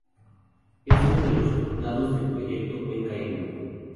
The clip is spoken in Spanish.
Es uno de los resultados del Proyecto Cuenca Indo.